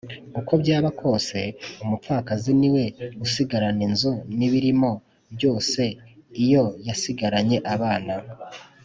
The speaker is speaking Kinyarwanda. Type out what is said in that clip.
uko byaba kose umupfakazi niwe usigarana inzu n’ibirimo byose iyo yasigaranye abana,